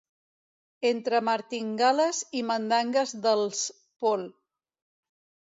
Entre martingales i mandangues dels pol